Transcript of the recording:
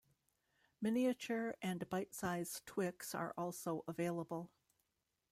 Miniature and bite-size Twix are also available.